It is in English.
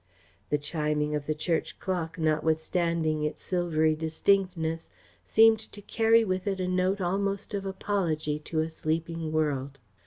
The chiming of the church clock, notwithstanding its silvery distinctness, seemed to carry with it a note almost of apology to a sleeping world.